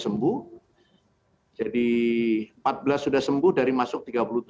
empat belas sudah sembuh dari masuk tiga puluh tujuh